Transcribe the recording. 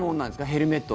ヘルメット。